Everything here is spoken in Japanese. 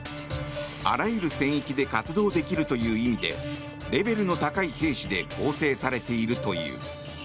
あらゆる戦域で活動できるという意味でレベルの高い兵士で構成されているという。